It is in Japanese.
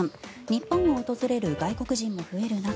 日本を訪れる外国人も増える中